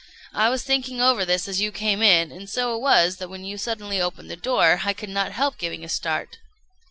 I was thinking over this as you came in, and so it was that when you suddenly opened the door, I could not help giving a start."